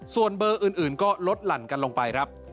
ส่วนเบอร์อื่นก็ลดหลั่นกันลงไปครับ